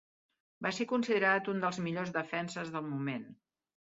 Va ser considerat un dels millors defenses del moment.